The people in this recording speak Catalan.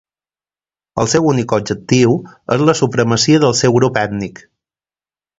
El seu únic objectiu és la supremacia del seu grup ètnic.